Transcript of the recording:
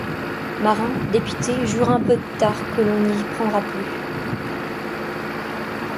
Marin, dépité, jure un peu tard qu’on ne l’y prendra plus.